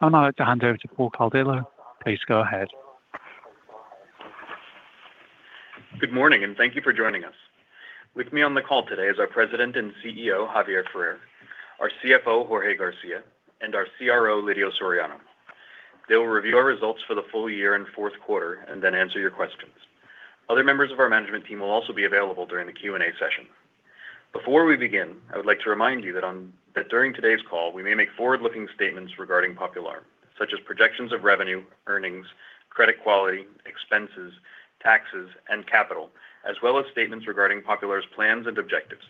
I'd like to hand over to Paul Cardillo. Please go ahead. Good morning, and thank you for joining us. With me on the call today is our President and CEO, Javier Ferrer, our CFO, Jorge García, and our CRO, Lidio Soriano. They will review our results for the full year and Q4 and then answer your questions. Other members of our management team will also be available during the Q&A session. Before we begin, I would like to remind you that during today's call, we may make forward-looking statements regarding Popular, such as projections of revenue, earnings, credit quality, expenses, taxes, and capital, as well as statements regarding Popular's plans and objectives.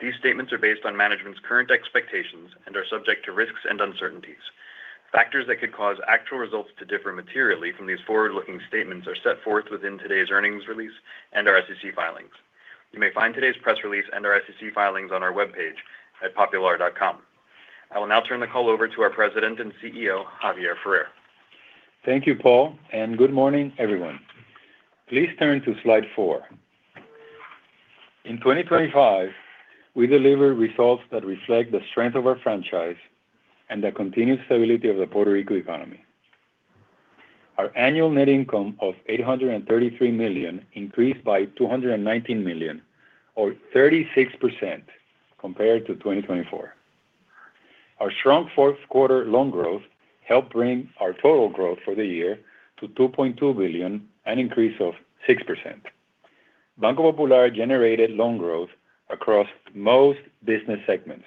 These statements are based on management's current expectations and are subject to risks and uncertainties. Factors that could cause actual results to differ materially from these forward-looking statements are set forth within today's earnings release and our SEC filings. You may find today's press release and our SEC filings on our webpage at popular.com. I will now turn the call over to our President and CEO, Javier Ferrer. Thank you, Paul, and good morning, everyone. Please turn to slide four. In 2025, we delivered results that reflect the strength of our franchise and the continuous stability of the Puerto Rico economy. Our annual net income of $833 million increased by $219 million, or 36% compared to 2024. Our strong Q4 loan growth helped bring our total growth for the year to $2.2 billion, an increase of 6%. Banco Popular generated loan growth across most business segments,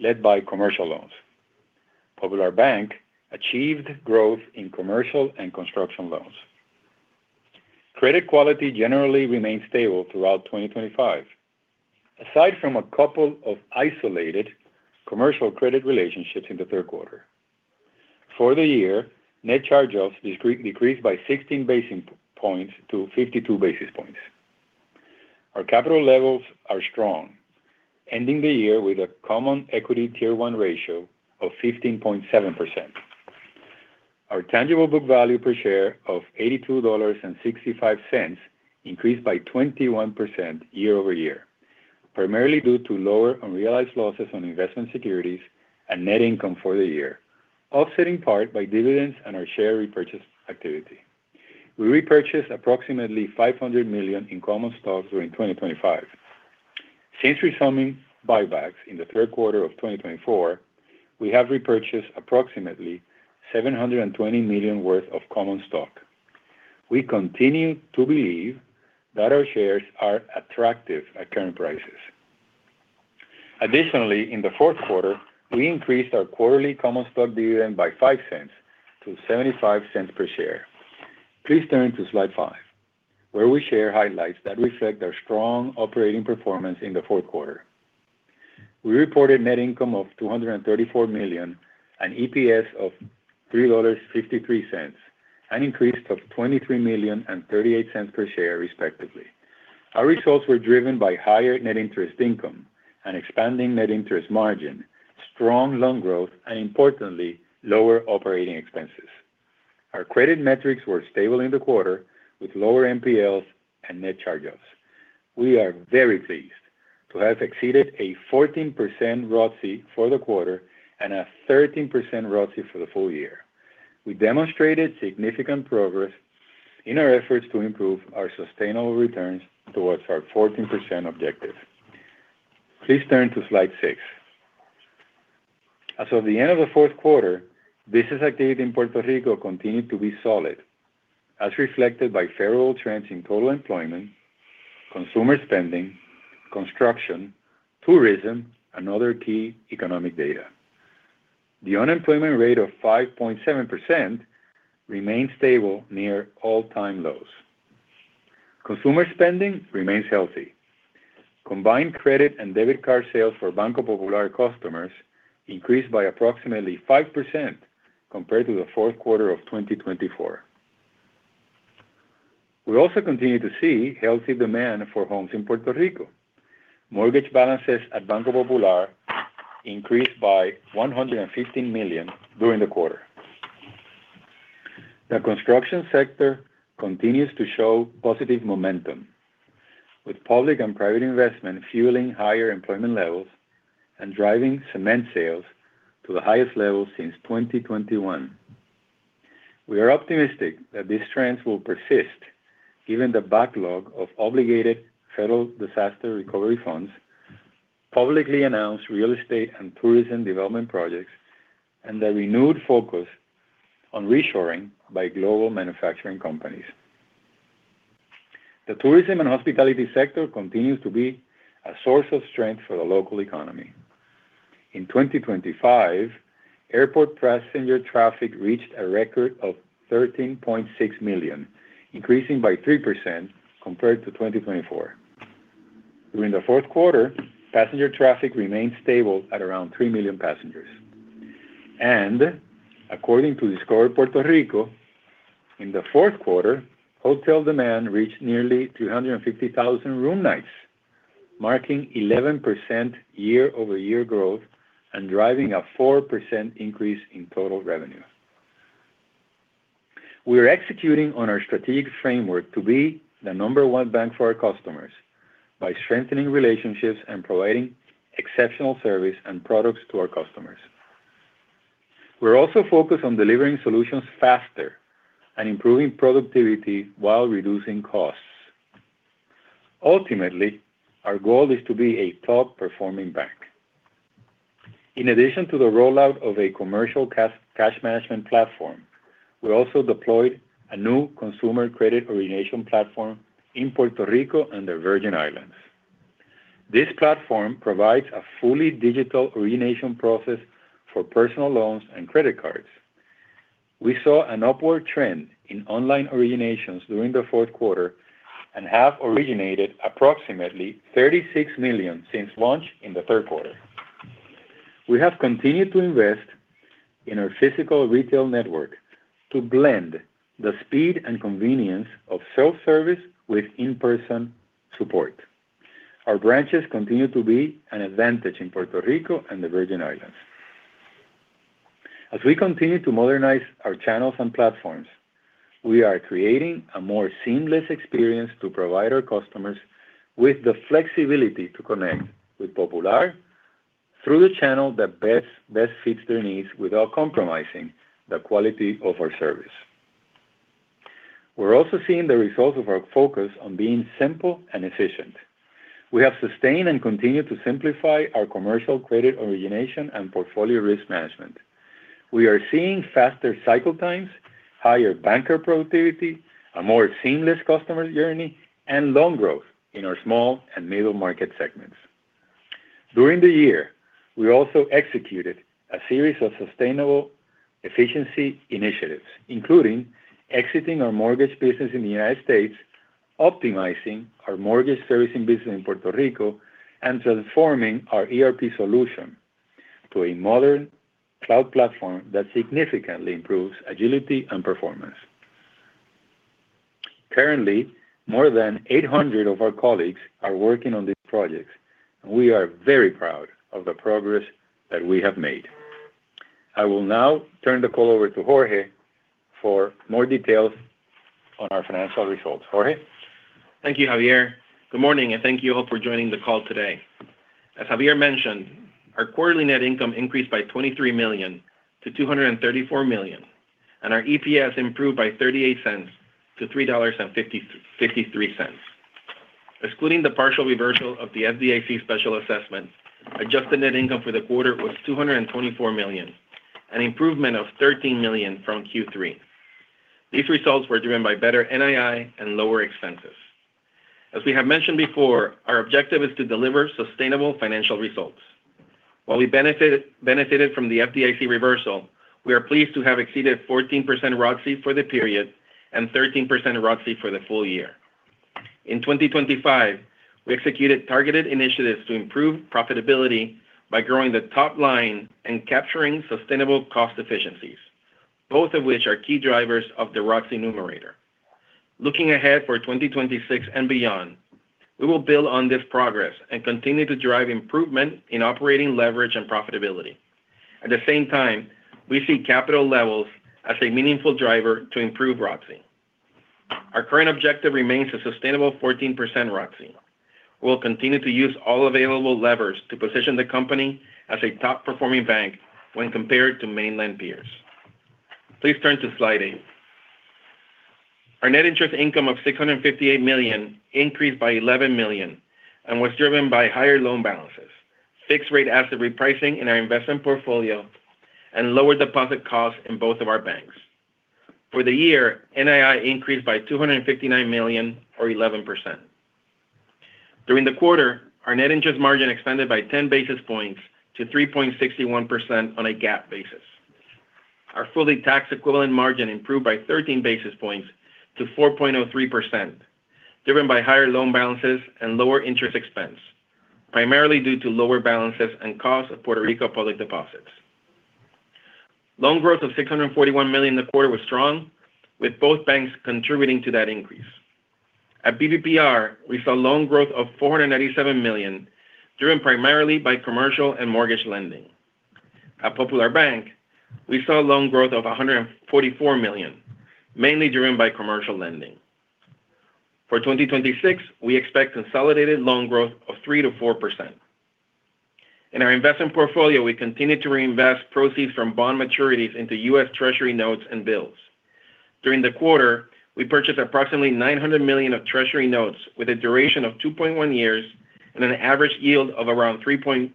led by commercial loans. Popular Bank achieved growth in commercial and construction loans. Credit quality generally remained stable throughout 2025, aside from a couple of isolated commercial credit relationships in the Q3. For the year, net charge-offs decreased by 16 basis points to 52 basis points. Our capital levels are strong, ending the year with a Common Equity Tier 1 ratio of 15.7%. Our tangible book value per share of $82.65 increased by 21% year-over-year, primarily due to lower unrealized losses on investment securities and net income for the year, offsetting part by dividends and our share repurchase activity. We repurchased approximately $500 million in common stock during 2025. Since resuming buybacks in the Q3 of 2024, we have repurchased approximately $720 million worth of common stock. We continue to believe that our shares are attractive at current prices. Additionally, in the Q4, we increased our quarterly common stock dividend by $0.05 to $0.75 per share. Please turn to slide five, where we share highlights that reflect our strong operating performance in the Q4. We reported net income of $234 million, an EPS of $3.53, an increase of $23 million and $0.38 per share, respectively. Our results were driven by higher net interest income and expanding net interest margin, strong loan growth, and importantly, lower operating expenses. Our credit metrics were stable in the quarter, with lower NPLs and net charge-offs. We are very pleased to have exceeded a 14% ROTCE for the quarter and a 13% ROTCE for the full year. We demonstrated significant progress in our efforts to improve our sustainable returns towards our 14% objective. Please turn to slide six. As of the end of the Q4, business activity in Puerto Rico continued to be solid, as reflected by federal trends in total employment, consumer spending, construction, tourism, and other key economic data. The unemployment rate of 5.7% remains stable, near all-time lows. Consumer spending remains healthy. Combined credit and debit card sales for Banco Popular customers increased by approximately 5% compared to the Q4 of 2024. We also continue to see healthy demand for homes in Puerto Rico. Mortgage balances at Banco Popular increased by $115 million during the quarter. The construction sector continues to show positive momentum, with public and private investment fueling higher employment levels and driving cement sales to the highest level since 2021. We are optimistic that these trends will persist given the backlog of obligated federal disaster recovery funds, publicly announced real estate and tourism development projects, and the renewed focus on reshoring by global manufacturing companies. The tourism and hospitality sector continues to be a source of strength for the local economy. In 2025, airport passenger traffic reached a record of 13.6 million, increasing by 3% compared to 2024. During the Q4, passenger traffic remained stable at around 3 million passengers. According to Discover Puerto Rico, in the Q4, hotel demand reached nearly 250,000 room nights, marking 11% year-over-year growth and driving a 4% increase in total revenue. We are executing on our strategic framework to be the number one bank for our customers by strengthening relationships and providing exceptional service and products to our customers. We're also focused on delivering solutions faster and improving productivity while reducing costs. Ultimately, our goal is to be a top-performing bank. In addition to the rollout of a commercial cash, cash management platform, we also deployed a new consumer credit origination platform in Puerto Rico and the Virgin Islands. This platform provides a fully digital origination process for personal loans and credit cards. We saw an upward trend in online originations during the Q4 and have originated approximately 36 million since launch in the Q3. We have continued to invest in our physical retail network to blend the speed and convenience of self-service with in-person support. Our branches continue to be an advantage in Puerto Rico and the Virgin Islands. As we continue to modernize our channels and platforms, we are creating a more seamless experience to provide our customers with the flexibility to connect with Popular through the channel that best fits their needs without compromising the quality of our service. We're also seeing the results of our focus on being simple and efficient. We have sustained and continued to simplify our commercial credit origination and portfolio risk management. We are seeing faster cycle times, higher banker productivity, a more seamless customer journey, and loan growth in our small and middle market segments. During the year, we also executed a series of sustainable efficiency initiatives, including exiting our mortgage business in the United States, optimizing our mortgage servicing business in Puerto Rico, and transforming our ERP solution to a modern cloud platform that significantly improves agility and performance. Currently, more than 800 of our colleagues are working on these projects, and we are very proud of the progress that we have made. I will now turn the call over to Jorge for more details on our financial results. Jorge? Thank you, Javier. Good morning, and thank you all for joining the call today. As Javier mentioned, our quarterly net income increased by $23 million to $234 million, and our EPS improved by $0.38 to 3.53. Excluding the partial reversal of the FDIC special assessment, adjusted net income for the quarter was $224 million, an improvement of $13 million from Q3. These results were driven by better NII and lower expenses. As we have mentioned before, our objective is to deliver sustainable financial results. While we benefited from the FDIC reversal, we are pleased to have exceeded 14% ROTCE for the period and 13% ROTCE for the full year. In 2025, we executed targeted initiatives to improve profitability by growing the top line and capturing sustainable cost efficiencies, both of which are key drivers of the ROTCE numerator. Looking ahead for 2026 and beyond, we will build on this progress and continue to drive improvement in operating leverage and profitability. At the same time, we see capital levels as a meaningful driver to improve ROTCE. Our current objective remains a sustainable 14% ROTCE. We'll continue to use all available levers to position the company as a top-performing bank when compared to mainland peers. Please turn to slide eight. Our net interest income of $658 million increased by $11 million and was driven by higher loan balances, fixed-rate asset repricing in our investment portfolio, and lower deposit costs in both of our banks. For the year, NII increased by $259 million, or 11%. During the quarter, our net interest margin expanded by 10 basis points to 3.61% on a GAAP basis. Our fully tax-equivalent margin improved by 13 basis points to 4.03%, driven by higher loan balances and lower interest expense, primarily due to lower balances and costs of Puerto Rico public deposits. Loan growth of $641 million in the quarter was strong, with both banks contributing to that increase. At BPPR, we saw loan growth of $497 million, driven primarily by commercial and mortgage lending. At Popular Bank, we saw loan growth of $144 million, mainly driven by commercial lending. For 2026, we expect consolidated loan growth of 3%-4%. In our investment portfolio, we continued to reinvest proceeds from bond maturities into U.S. Treasury notes and bills. During the quarter, we purchased approximately $900 million of Treasury notes with a duration of 2.1 years and an average yield of around 3.56%.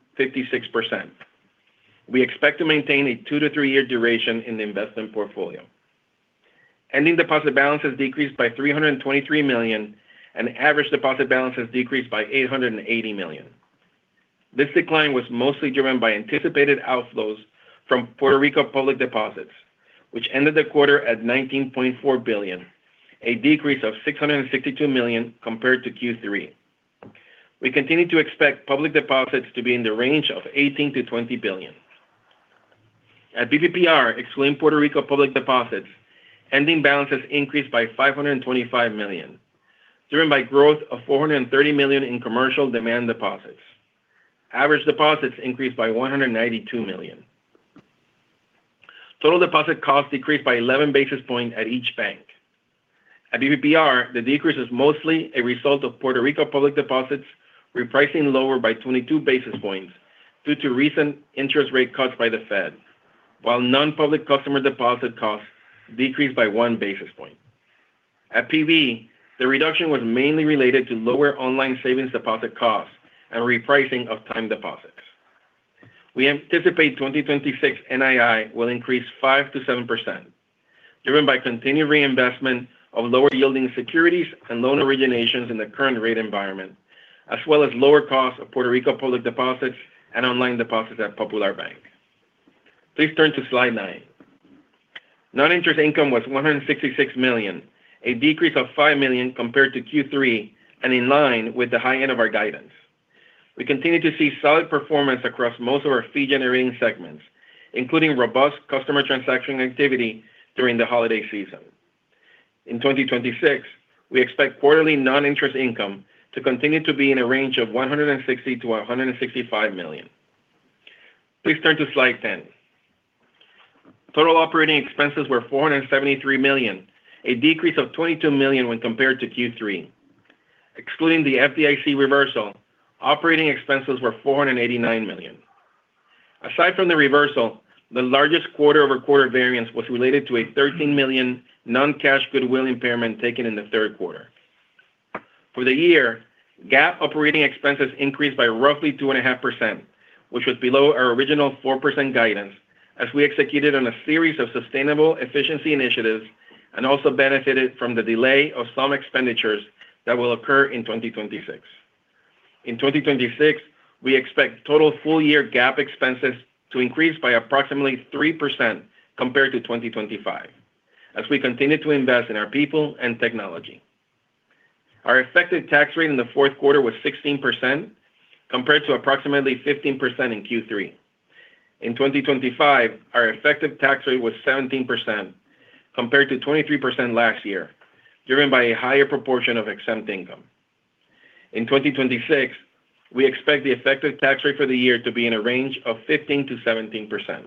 We expect to maintain a 2-3-year duration in the investment portfolio. Ending deposit balances decreased by $323 million, and average deposit balances decreased by $880 million. This decline was mostly driven by anticipated outflows from Puerto Rico public deposits, which ended the quarter at $19.4 billion, a decrease of $662 million compared to Q3. We continue to expect public deposits to be in the range of $18 billion-$20 billion. At BPPR, excluding Puerto Rico public deposits, ending balances increased by $525 million, driven by growth of $430 million in commercial demand deposits. Average deposits increased by $192 million. Total deposit costs decreased by 11 basis points at each bank. At BPPR, the decrease is mostly a result of Puerto Rico public deposits repricing lower by 22 basis points due to recent interest rate cuts by the Fed, while non-public customer deposit costs decreased by 1 basis point. At PB, the reduction was mainly related to lower online savings deposit costs and repricing of time deposits. We anticipate 2026 NII will increase 5%-7%, driven by continued reinvestment of lower-yielding securities and loan originations in the current rate environment, as well as lower costs of Puerto Rico public deposits and online deposits at Popular Bank. Please turn to slide nine. Non-interest income was $166 million, a decrease of $5 million compared to Q3 and in line with the high end of our guidance. We continue to see solid performance across most of our fee-generating segments, including robust customer transaction activity during the holiday season. In 2026, we expect quarterly non-interest income to continue to be in a range of $160 million-165 million. Please turn to slide 10. Total operating expenses were $473 million, a decrease of $22 million when compared to Q3. Excluding the FDIC reversal, operating expenses were $489 million. Aside from the reversal, the largest quarter-over-quarter variance was related to a $13 million non-cash goodwill impairment taken in the Q3. For the year, GAAP operating expenses increased by roughly 2.5%, which was below our original 4% guidance, as we executed on a series of sustainable efficiency initiatives and also benefited from the delay of some expenditures that will occur in 2026. In 2026, we expect total full-year GAAP expenses to increase by approximately 3% compared to 2025, as we continue to invest in our people and technology. Our effective tax rate in the Q4 was 16%, compared to approximately 15% in Q3. In 2025, our effective tax rate was 17%, compared to 23% last year, driven by a higher proportion of exempt income. In 2026, we expect the effective tax rate for the year to be in a range of 15%-17%.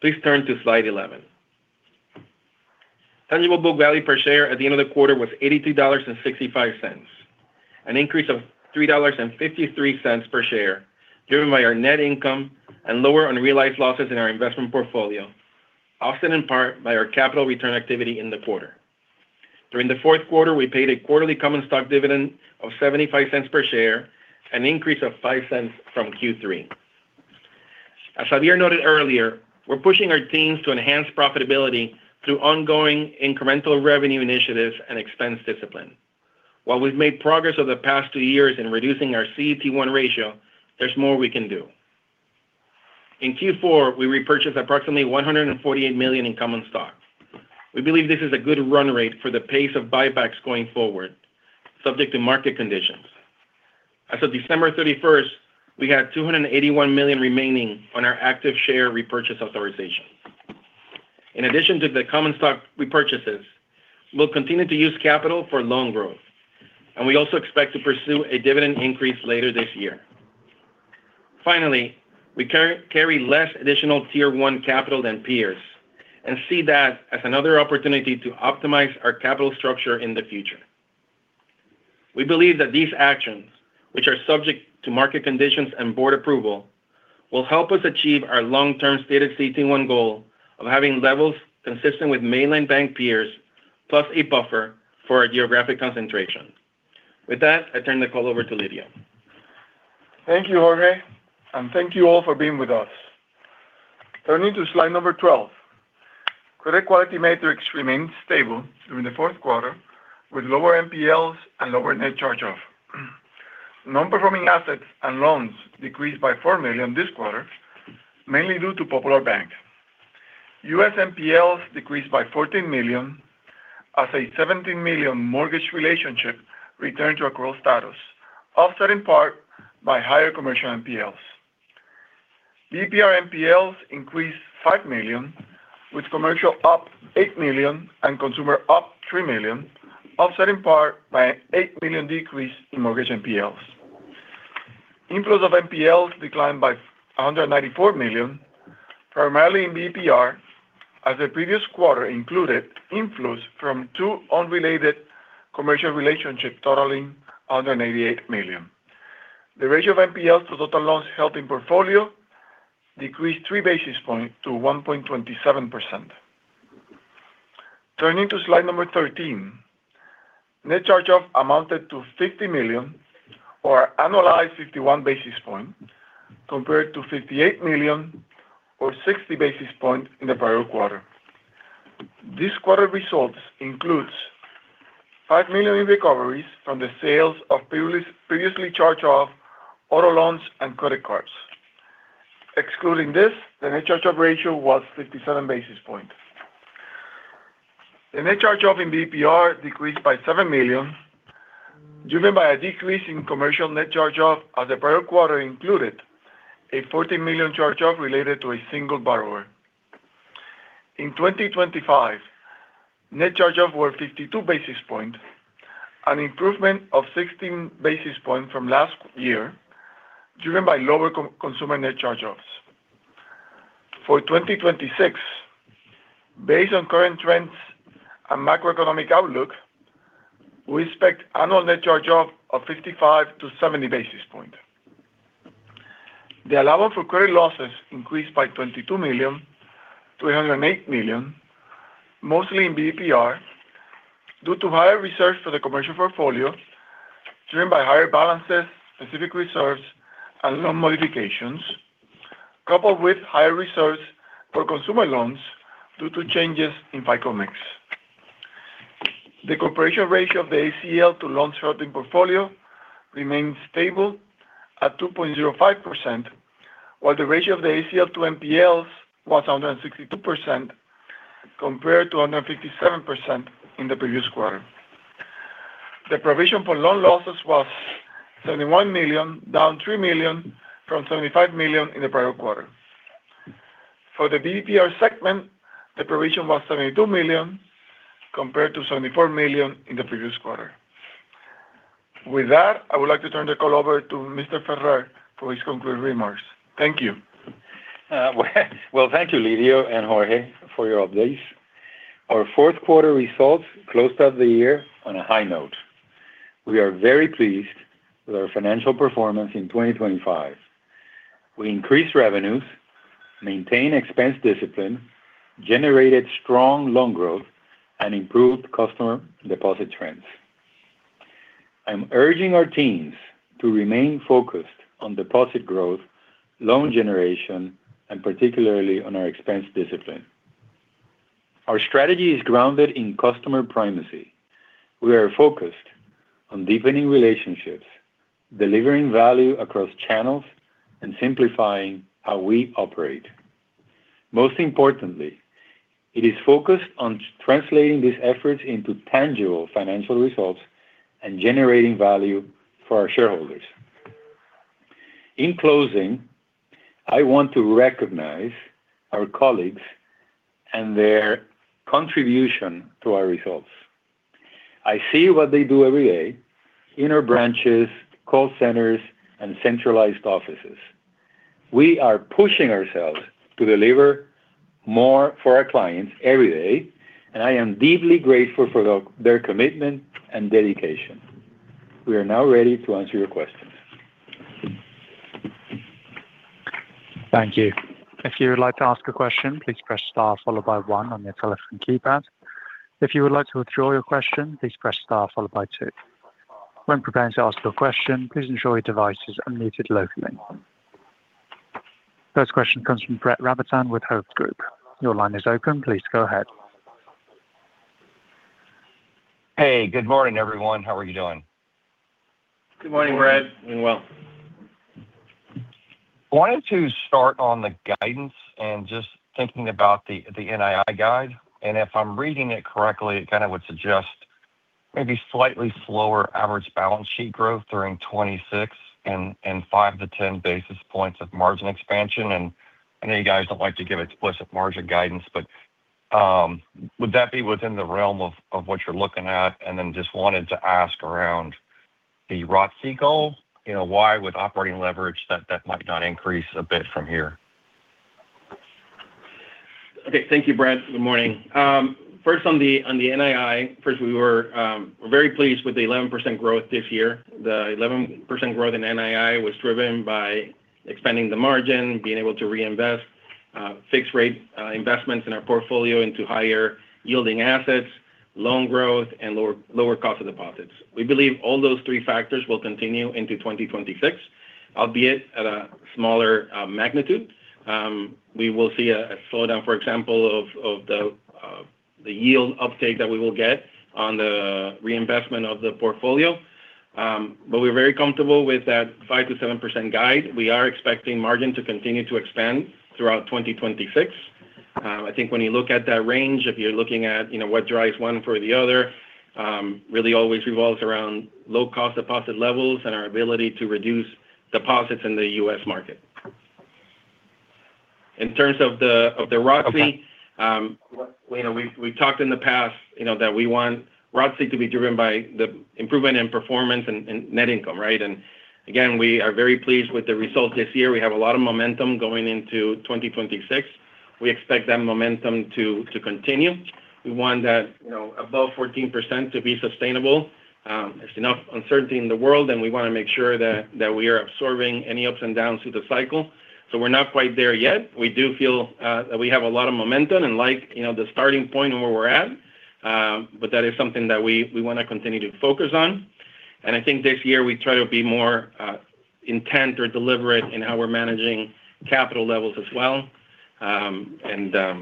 Please turn to slide 11. Tangible book value per share at the end of the quarter was $83.65, an increase of $3.53 per share, driven by our net income and lower unrealized losses in our investment portfolio, offset in part by our capital return activity in the quarter. During the Q4, we paid a quarterly common stock dividend of $0.75 per share, an increase of $0.05 from Q3. As Javier noted earlier, we're pushing our teams to enhance profitability through ongoing incremental revenue initiatives and expense discipline. While we've made progress over the past two years in reducing our CET1 ratio, there's more we can do. In Q4, we repurchased approximately $148 million in common stock. We believe this is a good run rate for the pace of buybacks going forward, subject to market conditions. As of December 31st, we had $281 million remaining on our active share repurchase authorization. In addition to the common stock repurchases, we'll continue to use capital for loan growth, and we also expect to pursue a dividend increase later this year. Finally, we carry less additional Tier 1 capital than peers and see that as another opportunity to optimize our capital structure in the future. We believe that these actions, which are subject to market conditions and board approval, will help us achieve our long-term stated CET1 goal of having levels consistent with mainland bank peers, plus a buffer for our geographic concentration. With that, I turn the call over to Lidio. Thank you, Jorge, and thank you all for being with us. Turning to slide number 12. Credit quality metrics remained stable during the Q4, with lower NPLs and lower net charge-off. Non-performing assets and loans decreased by $4 million this quarter, mainly due to Popular Bank. U.S. NPLs decreased by $14 million, as a $17 million mortgage relationship returned to accrual status, offset in part by higher commercial NPLs. BPPR NPLs increased $5 million, with commercial up $8 million and consumer up $3 million, offset in part by an $8 million decrease in mortgage NPLs. Inflows of NPLs declined by $194 million, primarily in BPPR, as the previous quarter included inflows from two unrelated commercial relationships, totaling $188 million. The ratio of NPLs to total loans held in portfolio decreased 3 basis points to 1.27%. Turning to slide number 13. Net charge-offs amounted to $50 million or annualized 51 basis points, compared to $58 million or 60 basis points in the prior quarter. This quarter's results include $5 million in recoveries from the sales of previously charged-off auto loans and credit cards. Excluding this, the net charge-off ratio was 57 basis points. The net charge-off in BPPR decreased by $7 million, driven by a decrease in commercial net charge-offs, as the prior quarter included a $14 million charge-off related to a single borrower. In 2025, net charge-offs were 52 basis points, an improvement of 16 basis points from last year, driven by lower consumer net charge-offs. For 2026, based on current trends and macroeconomic outlook, we expect annual net charge-offs of 55-70 basis points. The allowance for credit losses increased by $22 million to 108 million, mostly in BPPR, due to higher reserves for the commercial portfolio, driven by higher balances, specific reserves, and loan modifications, coupled with higher reserves for consumer loans due to changes in FICO mix. The coverage ratio of the ACL to loans in the portfolio remains stable at 2.05%, while the ratio of the ACL to NPLs was 162%, compared to 157% in the previous quarter. The provision for loan losses was $71 million, down $3 million from $75 million in the prior quarter. For the BPPR segment, the provision was $72 million, compared to $74 million in the previous quarter. With that, I would like to turn the call over to Mr. Ferrer for his concluding remarks. Thank you. Well, thank you, Lidio and Jorge, for your updates. Our Q4 results closed out the year on a high note. We are very pleased with our financial performance in 2025. We increased revenues, maintained expense discipline, generated strong loan growth, and improved customer deposit trends. I'm urging our teams to remain focused on deposit growth, loan generation, and particularly on our expense discipline. Our strategy is grounded in customer primacy. We are focused on deepening relationships, delivering value across channels, and simplifying how we operate. Most importantly, it is focused on translating these efforts into tangible financial results and generating value for our shareholders. In closing, I want to recognize our colleagues and their contribution to our results. I see what they do every day in our branches, call centers, and centralized offices. We are pushing ourselves to deliver more for our clients every day, and I am deeply grateful for their commitment and dedication. We are now ready to answer your questions. Thank you. If you would like to ask a question, please press star followed by one on your telephone keypad. If you would like to withdraw your question, please press star followed by two. When preparing to ask your question, please ensure your device is unmuted locally. First question comes from Brett Rabatin with Hovde Group. Your line is open. Please go ahead. Hey, good morning, everyone. How are you doing? Good morning, Brett. Doing well. I wanted to start on the guidance and just thinking about the NII guide, and if I'm reading it correctly, it kind of would suggest maybe slightly slower average balance sheet growth during 2026 and 5-10 basis points of margin expansion. And I know you guys don't like to give explicit margin guidance, but would that be within the realm of what you're looking at? And then just wanted to ask around the ROTCE goal, you know, why with operating leverage, that might not increase a bit from here? Okay. Thank you, Brett. Good morning. First on the NII, first, we were very pleased with the 11% growth this year. The 11% growth in NII was driven by expanding the margin, being able to reinvest fixed rate investments in our portfolio into higher yielding assets, loan growth, and lower cost of deposits. We believe all those three factors will continue into 2026, albeit at a smaller magnitude. We will see a slowdown, for example, of the yield uptake that we will get on the reinvestment of the portfolio. But we're very comfortable with that 5%-7% guide. We are expecting margin to continue to expand throughout 2026. I think when you look at that range, if you're looking at, you know, what drives one for the other, really always revolves around low cost deposit levels and our ability to reduce deposits in the U.S. market. In terms of the ROTCE, you know, we've talked in the past, you know, that we want ROTCE to be driven by the improvement in performance and net income, right? And again, we are very pleased with the results this year. We have a lot of momentum going into 2026. We expect that momentum to continue. We want that, you know, above 14% to be sustainable. There's enough uncertainty in the world, and we want to make sure that we are absorbing any ups and downs through the cycle. So we're not quite there yet. We do feel that we have a lot of momentum and like, you know, the starting point and where we're at, but that is something that we, we want to continue to focus on. I think this year we try to be more intent or deliberate in how we're managing capital levels as well. And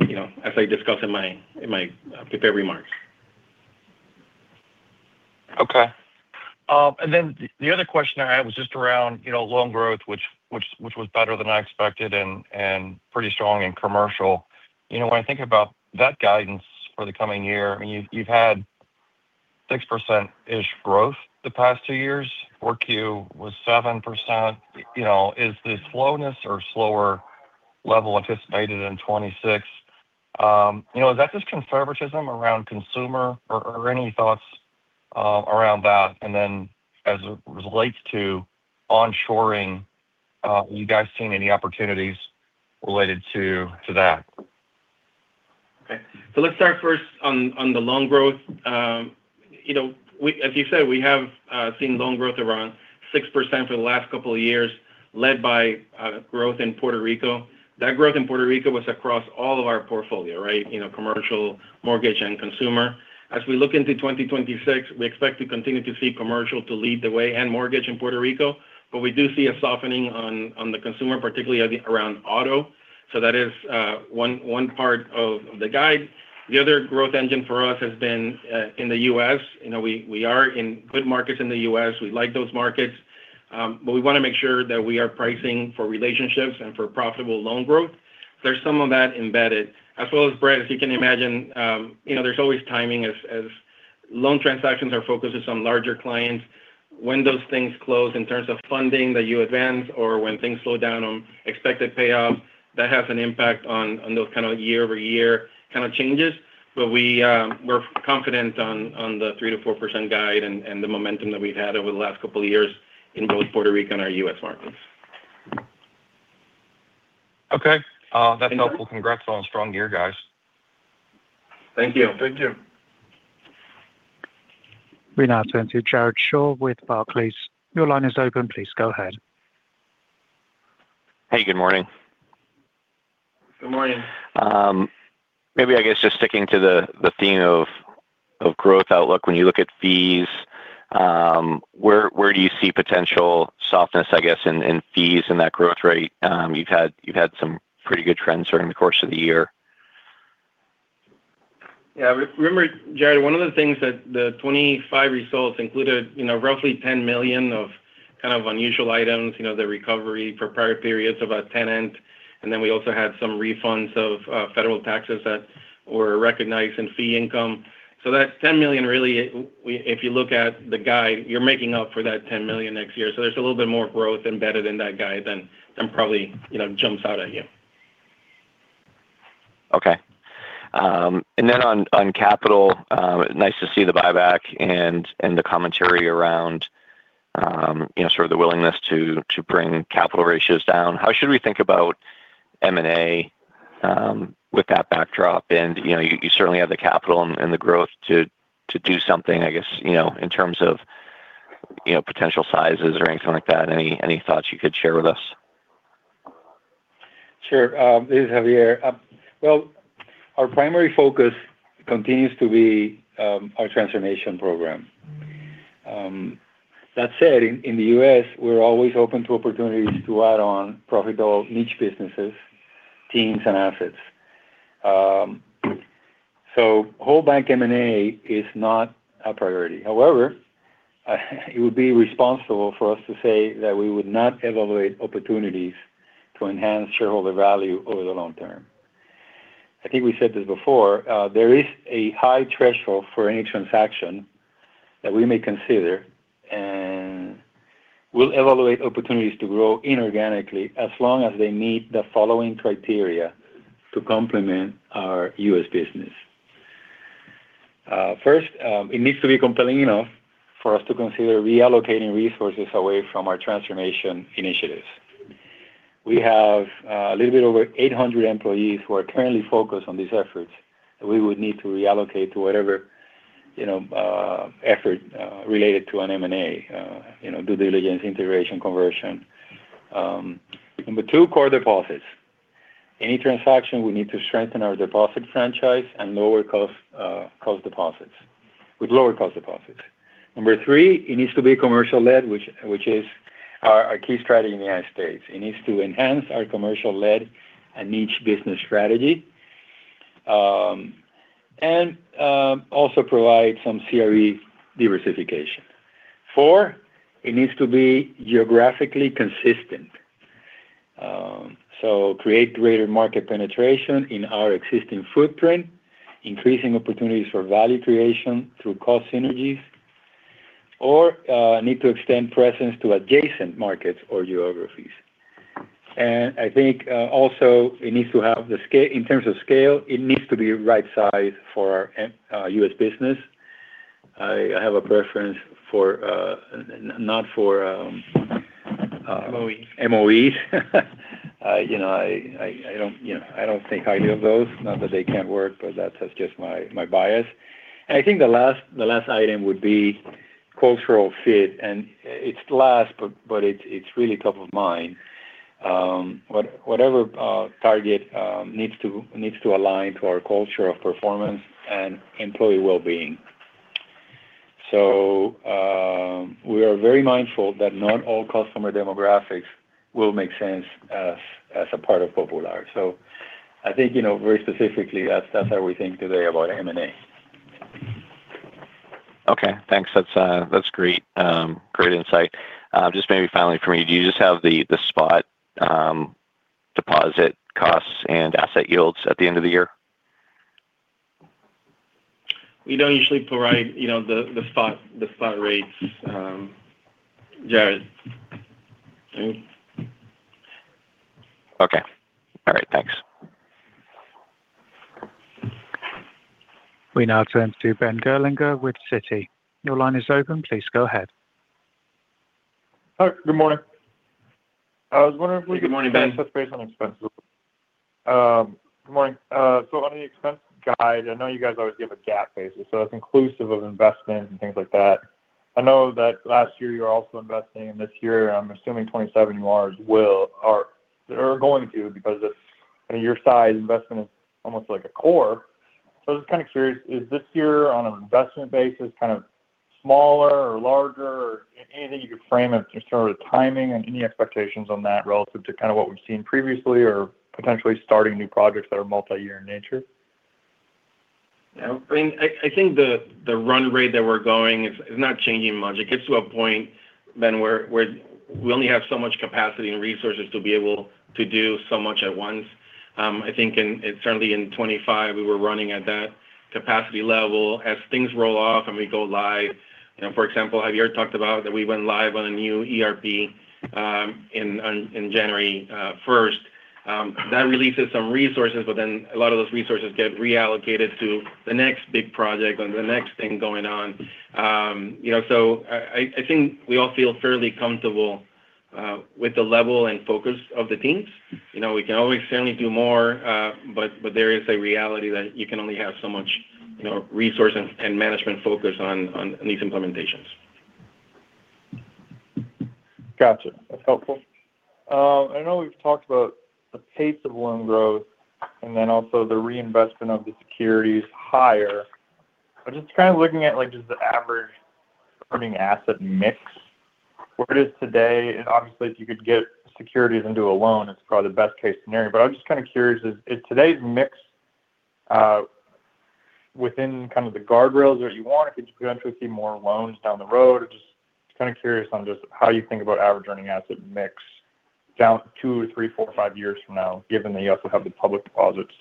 you know, as I discussed in my, in my prepared remarks. Okay. And then the other question I had was just around, you know, loan growth, which was better than I expected and pretty strong in commercial. You know, when I think about that guidance for the coming year, I mean, you've had 6%-ish growth the past two years, Q4 was 7%. You know, is the slowness or slower level anticipated in 2026, you know, is that just conservatism around consumer or any thoughts around that? And then as it relates to onshoring, you guys seen any opportunities related to that? Okay. So, let's start first on the loan growth. You know, as you said, we have seen loan growth around 6% for the last couple of years, led by growth in Puerto Rico. That growth in Puerto Rico was across all of our portfolio, right? You know, commercial, mortgage, and consumer. As we look into 2026, we expect to continue to see commercial to lead the way and mortgage in Puerto Rico. But we do see a softening on the consumer, particularly around auto. So that is one part of the guide. The other growth engine for us has been in the U.S. You know, we are in good markets in the U.S. We like those markets, but we want to make sure that we are pricing for relationships and for profitable loan growth. There's some of that embedded. As well as Brent, as you can imagine, you know, there's always timing as loan transactions are focused on some larger clients. When those things close in terms of funding that you advance or when things slow down on expected payoffs, that has an impact on those kind of year-over-year kind of changes. But we, we're confident on the 3%-4% guide and the momentum that we've had over the last couple of years in both Puerto Rico and our U.S. markets. Okay. That's helpful. Congrats on a strong year, guys. Thank you. Thank you. We now turn to Jared Shaw with Barclays. Your line is open. Please go ahead. Hey, good morning. Good morning. Maybe, I guess just sticking to the theme of growth outlook. When you look at fees, where do you see potential softness, I guess, in fees and that growth rate? You've had some pretty good trends during the course of the year. Yeah, remember, Jared, one of the things that the 25 results included, you know, roughly $10 million of kind of unusual items, you know, the recovery for prior periods of a tenant, and then we also had some refunds of federal taxes that were recognized in fee income. So that $10 million, really, if you look at the guide, you're making up for that $10 million next year. So there's a little bit more growth embedded in that guide than probably, you know, jumps out at you. Okay. And then on capital, nice to see the buyback and the commentary around, you know, sort of the willingness to bring capital ratios down. How should we think about M&A with that backdrop? And, you know, you certainly have the capital and the growth to do something, I guess, you know, in terms of, you know, potential sizes or anything like that. Any thoughts you could share with us? Sure. This is Javier. Well, our primary focus continues to be our transformation program. That said, in the U.S., we're always open to opportunities to add on profitable niche businesses, teams, and assets. So whole bank M&A is not a priority. However, it would be responsible for us to say that we would not evaluate opportunities to enhance shareholder value over the long term. I think we said this before, there is a high threshold for any transaction that we may consider, and we'll evaluate opportunities to grow inorganically as long as they meet the following criteria to complement our U.S. business. First, it needs to be compelling enough for us to consider reallocating resources away from our transformation initiatives. We have a little bit over 800 employees who are currently focused on these efforts that we would need to reallocate to whatever, you know, effort related to an M&A, you know, due diligence, integration, conversion. Number two, core deposits. Any transaction, we need to strengthen our deposit franchise and lower cost cost deposits with lower cost deposits. Number three, it needs to be commercial led, which is our key strategy in the United States. It needs to enhance our commercial-led and niche business strategy, and also provide some CRE diversification. Four, it needs to be geographically consistent. So, create greater market penetration in our existing footprint, increasing opportunities for value creation through cost synergies, or need to extend presence to adjacent markets or geographies. And I think, also it needs to have the scale in terms of scale, it needs to be right size for our U.S. business. I have a preference for not for— MOE. —MOE. You know, I don't think highly of those, not that they can't work, but that's just my bias. And I think the last item would be cultural fit, and it's last, but it's really top of mind. Whatever target needs to align to our culture of performance and employee well-being. So, we are very mindful that not all customer demographics will make sense as a part of Popular. So, I think, you know, very specifically, that's how we think today about M&A. Okay, thanks. That's, that's great, great insight. Just maybe finally for me, do you just have the, the spot, deposit costs and asset yields at the end of the year? We don't usually provide, you know, the spot rates, Jared. Okay. All right, thanks. We now turn to Ben Gerlinger with Citi. Your line is open. Please go ahead. Hi, good morning. I was wondering— Good morning, Ben. Based on expenses. Good morning. So, on the expense guide, I know you guys always give a GAAP basis, so that's inclusive of investments and things like that. I know that last year you were also investing, and this year I'm assuming 27 marks will or are going to, because it's, you know, your size investment is almost like a core. So, I'm just kind of curious, is this year on an investment basis, kind of smaller or larger or anything you could frame it in terms of timing and any expectations on that relative to kind of what we've seen previously or potentially starting new projects that are multi-year in nature? Yeah, I think the run rate that we're going is not changing much. It gets to a point then where we only have so much capacity and resources to be able to do so much at once. I think, certainly in 2025, we were running at that capacity level. As things roll off and we go live, you know, for example, Javier talked about that we went live on a new ERP in January 1st. That releases some resources, but then a lot of those resources get reallocated to the next big project and the next thing going on. You know, so I think we all feel fairly comfortable with the level and focus of the teams. You know, we can always certainly do more, but there is a reality that you can only have so much, you know, resource and management focus on these implementations. Gotcha. That's helpful. I know we've talked about the pace of loan growth and then also the reinvestment of the securities higher. But just kind of looking at, like, just the average earning asset mix, where it is today, and obviously if you could get securities into a loan, it's probably the best-case scenario. But I'm just kind of curious, is today's mix within kind of the guardrails that you want? Could you potentially see more loans down the road? Just kind of curious on just how you think about average earning asset mix down two or three, four, five years from now, given that you also have the public deposits.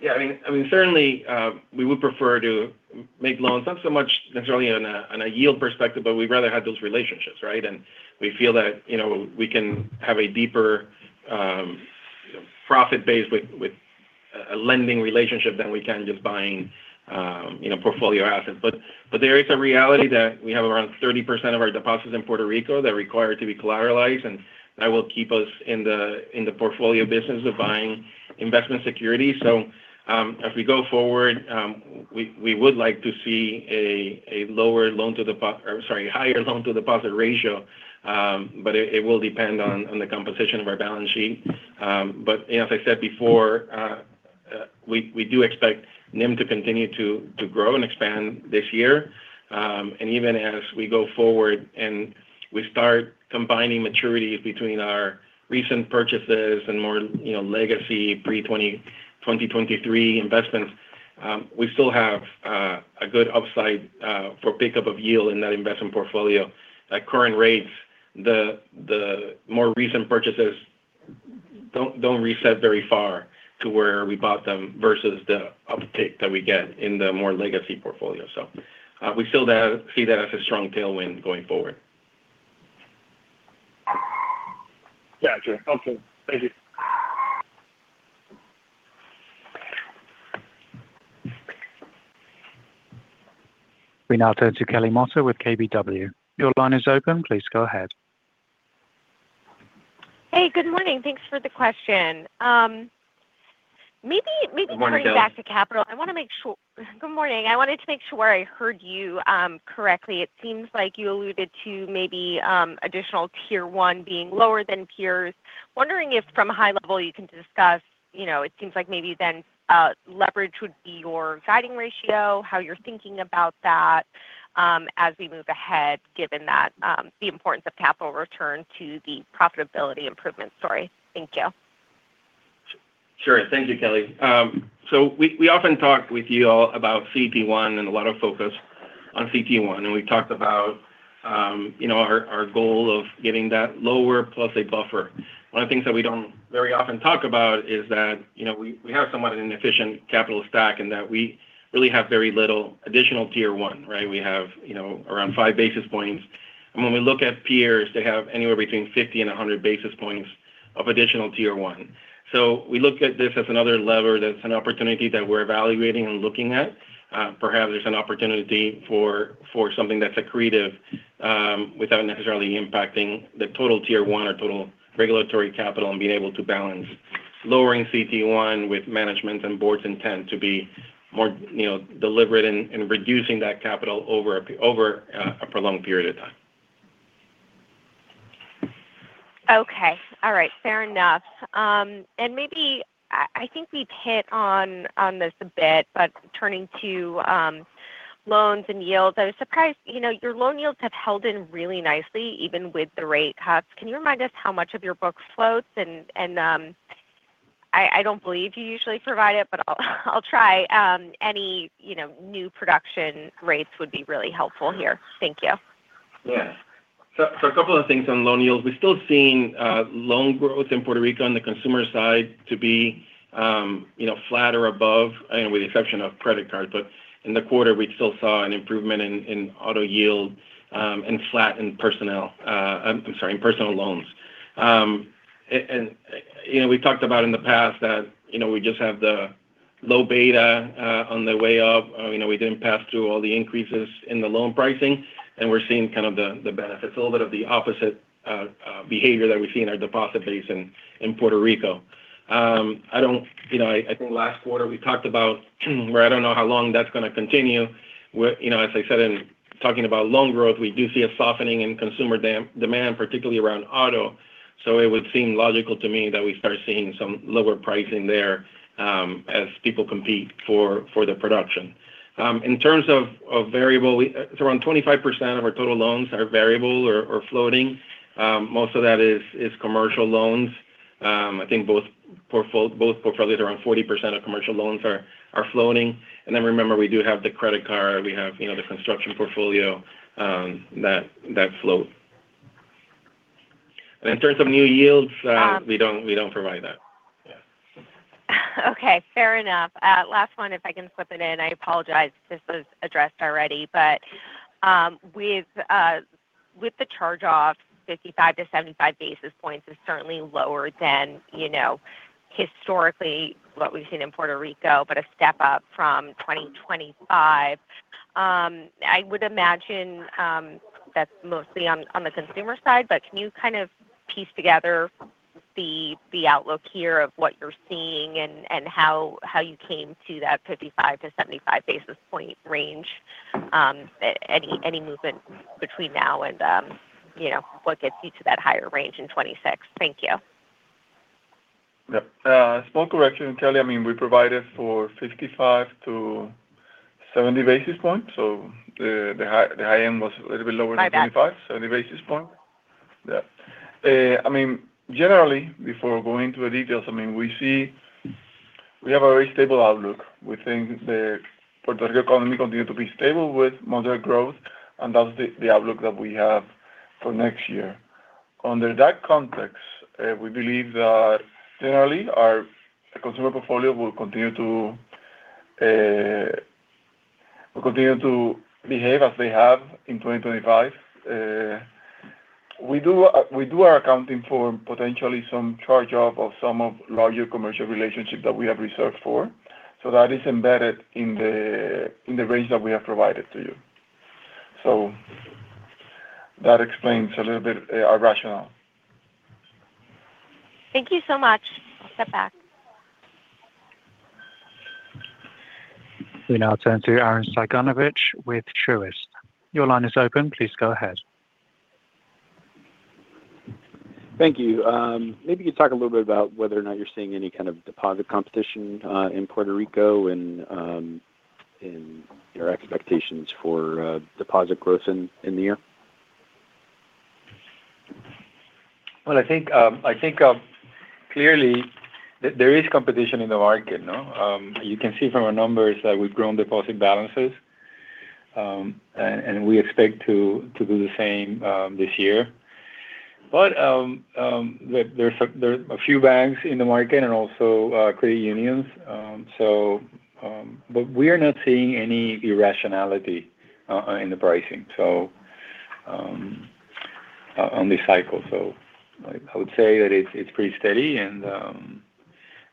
Yeah, I mean, certainly, we would prefer to make loans, not so much necessarily on a yield perspective, but we'd rather have those relationships, right? And we feel that, you know, we can have a deeper profit base with a lending relationship than we can just buying, you know, portfolio assets. But there is a reality that we have around 30% of our deposits in Puerto Rico that require to be collateralized, and that will keep us in the portfolio business of buying investment securities. So, as we go forward, we would like to see a higher loan to deposit ratio. But it will depend on the composition of our balance sheet. But as I said before, we do expect NIM to continue to grow and expand this year. And even as we go forward and we start combining maturities between our recent purchases and more, you know, legacy pre-2023 investments, we still have a good upside for pickup of yield in that investment portfolio. At current rates, the more recent purchases don't reset very far to where we bought them versus the uptake that we get in the more legacy portfolio. So, we still see that as a strong tailwind going forward. Gotcha. Okay. Thank you. We now turn to Kelly Motta with KBW. Your line is open. Please go ahead. Hey, good morning. Thanks for the question. Maybe, maybe— Good morning, Kelly. Turning back to capital, I want to make sure. Good morning. I wanted to make sure I heard you correctly. It seems like you alluded to maybe additional Tier 1 being lower than peers. Wondering if from a high level you can discuss, you know, it seems like maybe then leverage would be your guiding ratio, how you're thinking about that, as we move ahead, given that the importance of capital return to the profitability improvement story. Thank you. Sure. Thank you, Kelly. So we often talked with you all about CET1 and a lot of focus on CET1, and we talked about, you know, our goal of getting that lower plus a buffer. One of the things that we don't very often talk about is that, you know, we have somewhat an efficient capital stack and that we really have very little additional Tier 1, right? We have, you know, around 5 basis points. And when we look at peers, they have anywhere between 50 and 100 basis points of additional Tier 1. So, we look at this as another lever, that's an opportunity that we're evaluating and looking at. Perhaps there's an opportunity for, for something that's accretive, without necessarily impacting the total Tier 1 or total regulatory capital, and being able to balance lowering CET1 with management and board's intent to be more, you know, deliberate in, in reducing that capital over a, over, a prolonged period of time. Okay. All right. Fair enough. And maybe I, I think we've hit on, on this a bit, but turning to, loans and yields, I was surprised, you know, your loan yields have held in really nicely, even with the rate cuts. Can you remind us how much of your book floats and, and I, I don't believe you usually provide it, but I'll, I'll try. Any, you know, new production rates would be really helpful here. Thank you. Yeah. So, a couple of things on loan yields. We're still seeing loan growth in Puerto Rico on the consumer side to be, you know, flat or above, and with the exception of credit cards. But in the quarter, we still saw an improvement in auto yield, and flat in personnel, I'm sorry, in personal loans. And, you know, we've talked about in the past that, you know, we just have the low beta on the way of, you know, we didn't pass through all the increases in the loan pricing, and we're seeing kind of the benefits, a little bit of the opposite behavior that we see in our deposit base in Puerto Rico. I don't, you know, I think last quarter we talked about where I don't know how long that's gonna continue, where, you know, as I said in talking about loan growth, we do see a softening in consumer demand, particularly around auto. So, it would seem logical to me that we start seeing some lower pricing there, as people compete for the production. In terms of variable, it's around 25% of our total loans are variable or floating. Most of that is commercial loans. I think both portfolios, around 40% of commercial loans are floating. And then remember, we do have the credit card. We have, you know, the construction portfolio, that float. And in terms of new yields we don't, we don't provide that. Yeah. Okay, fair enough. Last one, if I can slip it in. I apologize if this was addressed already, but with the charge-off, 55-75 basis points is certainly lower than, you know, historically what we've seen in Puerto Rico, but a step up from 2025. I would imagine that's mostly on the consumer side, but can you kind of piece together the outlook here of what you're seeing and how you came to that 55-75 basis point range? Any movement between now and, you know, what gets you to that higher range in 2026? Thank you. Yeah. Small correction, Kelly. I mean, we provided for 55-70 basis points, so the high end was a little bit lower than— My bad. 55-70 basis points. Yeah. I mean, generally, before going into the details, I mean, we see we have a very stable outlook. We think the Puerto Rico economy continue to be stable with moderate growth, and that's the outlook that we have for next year. Under that context, we believe that generally our consumer portfolio will continue to, will continue to behave as they have in 2025. We do, we do our accounting for potentially some charge-off of some of larger commercial relationships that we have reserved for. So that is embedded in the range that we have provided to you. So that explains a little bit, our rationale. Thank you so much. I'll step back. We now turn to Arren Cyganovich with Truist. Your line is open. Please go ahead. Thank you. Maybe you could talk a little bit about whether or not you're seeing any kind of deposit competition in Puerto Rico and your expectations for deposit growth in the year. Well, I think clearly there is competition in the market, no? You can see from our numbers that we've grown deposit balances, and we expect to do the same this year. But there's a few banks in the market and also credit unions. So but we are not seeing any irrationality in the pricing, so on this cycle. So I would say that it's pretty steady and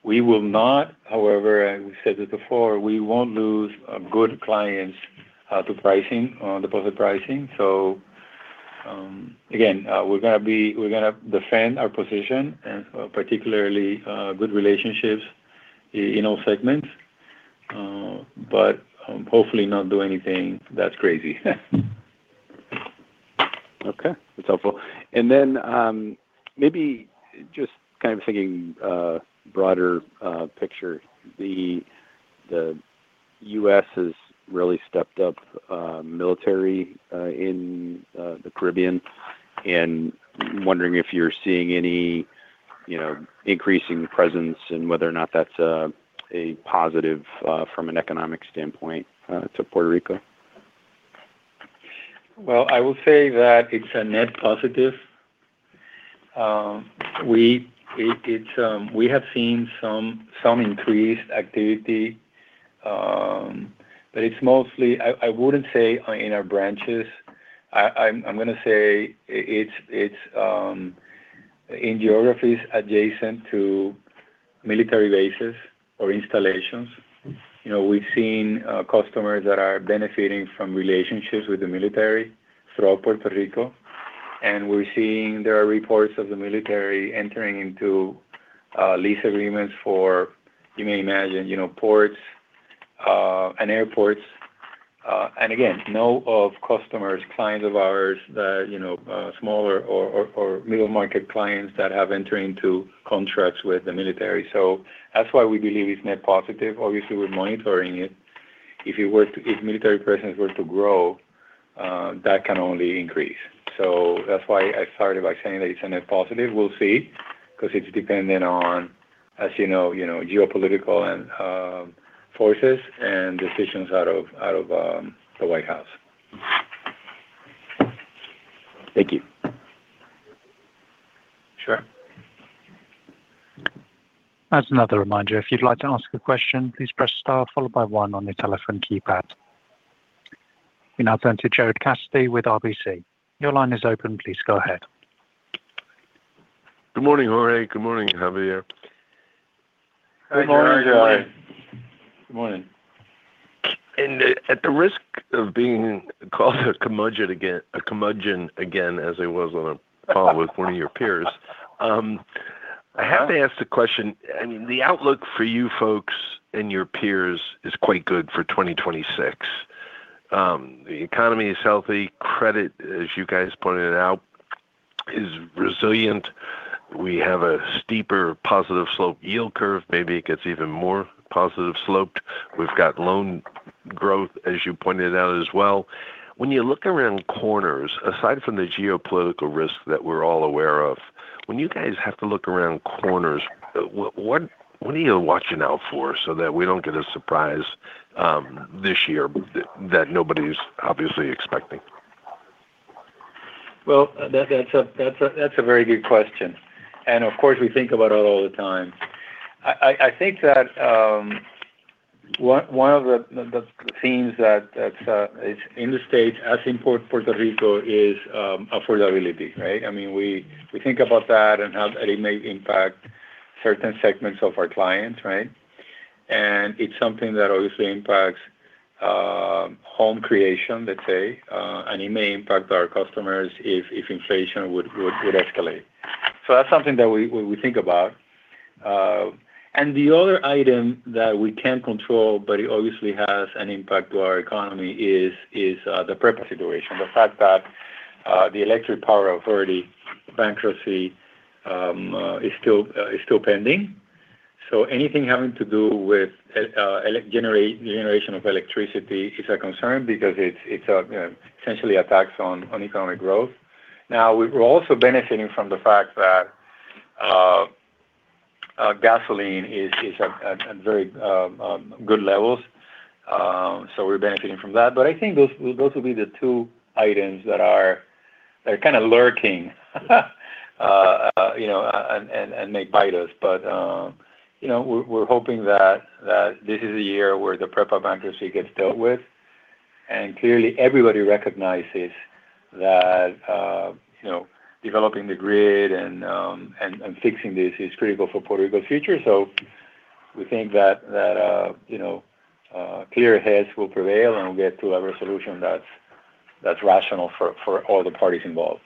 we will not, however, as we said it before, we won't lose good clients to pricing, on deposit pricing. So again, we're gonna defend our position and particularly good relationships in all segments, but hopefully not do anything that's crazy. Okay, that's helpful. And then, maybe just kind of thinking broader picture, the U.S. has really stepped-up military in the Caribbean, and wondering if you're seeing any, you know, increasing presence and whether or not that's a positive from an economic standpoint to Puerto Rico. Well, I will say that it's a net positive. We have seen some increased activity, but it's mostly, I wouldn't say in our branches. I'm gonna say it's in geographies adjacent to military bases or installations. You know, we've seen customers that are benefiting from relationships with the military throughout Puerto Rico, and we're seeing there are reports of the military entering into lease agreements for, you may imagine, you know, ports and airports. And again, know of customers, clients of ours that, you know, smaller or middle market clients that have entered into contracts with the military. So that's why we believe it's net positive. Obviously, we're monitoring it. If military presence were to grow, that can only increase. So that's why I started by saying that it's a net positive. We'll see, 'cause it's dependent on, as you know, you know, geopolitical and forces and decisions out of the White House. Thank you. Sure. As another reminder, if you'd like to ask a question, please press star followed by one on your telephone keypad. We now turn to Gerard Cassidy with RBC. Your line is open. Please go ahead. Good morning, Jorge. Good morning, Javier. Good morning, Gerard. Good morning. At the risk of being called a curmudgeon again, as I was on a call with one of your peers, I have to ask the question. I mean, the outlook for you folks and your peers is quite good for 2026. The economy is healthy. Credit, as you guys pointed out, is resilient. We have a steeper positive slope yield curve. Maybe it gets even more positive sloped. We've got loan growth, as you pointed out as well. When you look around corners, aside from the geopolitical risk that we're all aware of, when you guys have to look around corners, what are you watching out for so that we don't get a surprise this year that nobody's obviously expecting? Well, that's a very good question, and of course, we think about it all the time. I think that one of the themes that is in the States, as in Puerto Rico, is affordability, right? I mean, we think about that and how it may impact certain segments of our clients, right? And it's something that obviously impacts home creation, let's say, and it may impact our customers if inflation would escalate. So that's something that we think about. And the other item that we can't control, but it obviously has an impact to our economy is the PREPA situation. The fact that the Electric Power Authority bankruptcy is still pending. So anything having to do with generation of electricity is a concern because it's essentially a tax on economic growth. Now, we're also benefiting from the fact that gasoline is at very good levels, so we're benefiting from that. But I think those will be the two items that are kind of lurking, you know, and may bite us. But you know, we're hoping that this is a year where the PREPA bankruptcy gets dealt with. And clearly, everybody recognizes that, you know, developing the grid and fixing this is critical for Puerto Rico's future. So we think that, you know, clear heads will prevail, and we'll get to a resolution that's rational for all the parties involved.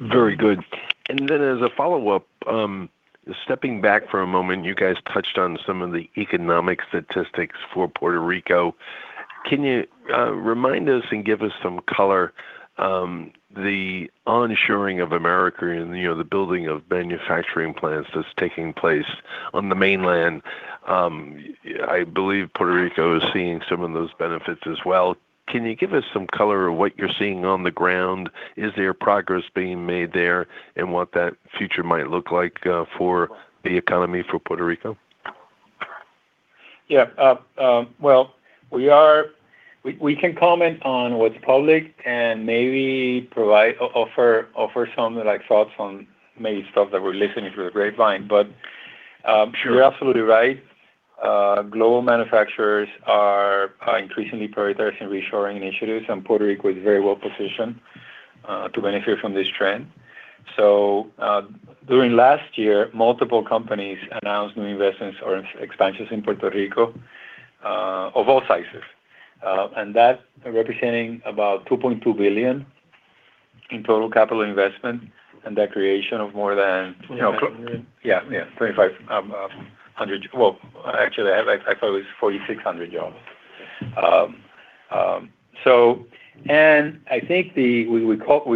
Very good. And then as a follow-up, stepping back for a moment, you guys touched on some of the economic statistics for Puerto Rico. Can you, remind us and give us some color, the onshoring of America and, you know, the building of manufacturing plants that's taking place on the mainland? I believe Puerto Rico is seeing some of those benefits as well. Can you give us some color on what you're seeing on the ground? Is there progress being made there, and what that future might look like, for the economy for Puerto Rico? Yeah. Well, we can comment on what's public and maybe provide, offer some, like, thoughts on maybe stuff that we're listening to the grapevine. But, you're absolutely right. Global manufacturers are increasingly prioritizing reshoring initiatives, and Puerto Rico is very well positioned to benefit from this trend. So, during last year, multiple companies announced new investments or expansions in Puerto Rico, of all sizes, and that representing about $2.2 billion in total capital investment and the creation of more than— 25— Yeah, yeah, 2,500... Well, actually, I thought it was 4,600 jobs. So, and I think we